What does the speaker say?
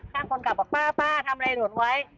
ข้างคนขับบอกป้าทำอะไรหล่นไว้